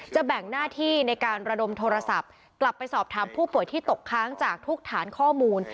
แบ่งหน้าที่ในการระดมโทรศัพท์กลับไปสอบถามผู้ป่วยที่ตกค้างจากทุกฐานข้อมูล